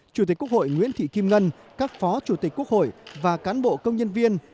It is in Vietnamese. chủ tịch quốc hội nguyễn thị kim ngân các phó chủ tịch quốc hội và cán bộ công nhân viên